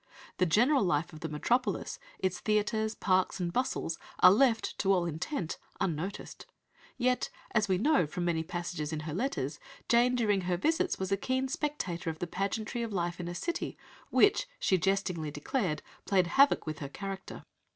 (The general life of the metropolis, its theatres, parks, and bustle are left, to all intent, unnoticed. Yet, as we know from many passages in her letters, Jane during her visits was a keen spectator of the pageantry of life in a city which, she jestingly declared, played havoc with her character.